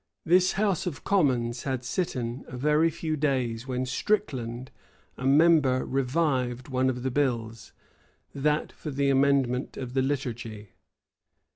[] This house of commons had sitten a very few days, when Stricland, a member, revived one of the bills that for the amendment of the liturgy.